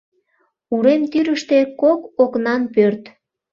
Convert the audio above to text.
Урем тӱрыштӧ кок окнан пӧрт.